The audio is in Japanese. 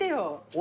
俺。